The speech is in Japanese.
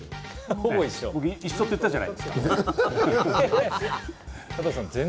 僕、一緒って言ったじゃないですか。